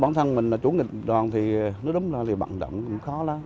bản thân mình là chủ nghịch đoàn thì nói đúng là vận động cũng khó lắm